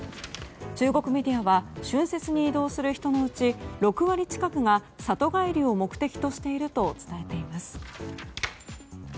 中国メディアは春節に移動する人のうち６割近くが里帰りを目的としていると伝えています。